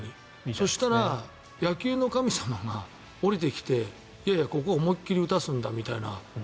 そしたら野球の神様が降りてきていやいや、ここは思い切り打たすんだみたいな。